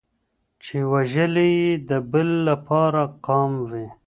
چي وژلی یې د بل لپاره قام وي